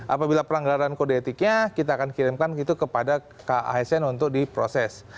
apabila pelanggaran kode etiknya kita akan kirimkan itu kepada kasn untuk diproses